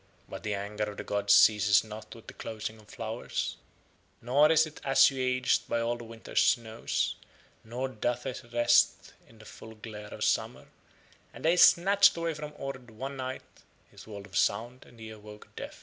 But the anger of the gods ceases not with the closing of flowers, nor is it assuaged by all the winter's snows, nor doth it rest in the full glare of summer, and They snatched away from Ord one night his world of sound and he awoke deaf.